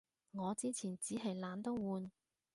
我之前衹係懶得換